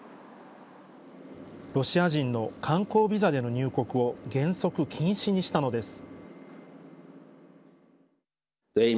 ロシア人の観光ビザでの入国を原則禁止にしたのです。